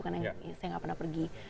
karena saya tidak pernah pergi